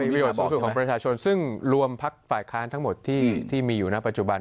ประโยชน์สูงสุดของประชาชนซึ่งรวมพักฝ่ายค้านทั้งหมดที่มีอยู่ณปัจจุบัน